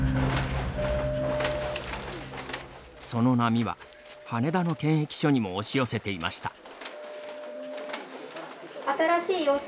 その波は、羽田の検疫所にも押し寄せていました。